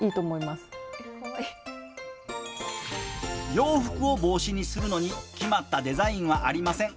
洋服を帽子にするのに決まったデザインはありません。